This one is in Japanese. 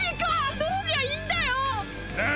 どうすりゃいいんだよー！